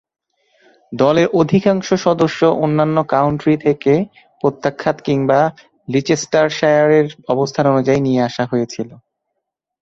দলের অধিকাংশ সদস্য অন্যান্য কাউন্টি থেকে প্রত্যাখ্যাত কিংবা লিচেস্টারশায়ারের অবস্থান অনুযায়ী নিয়ে আসা হয়েছিল।